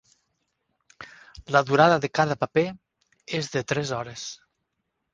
La durada de cada paper és de tres hores.